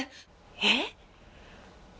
えっ？